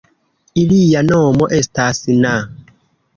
Ilia nomo estas na.